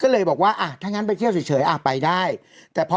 ก็เลยบอกว่าอ่ะถ้างั้นไปเที่ยวเฉยอ่ะไปได้แต่พอ